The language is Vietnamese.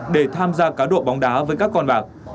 để tham gia cá độ bóng đá với các con bạc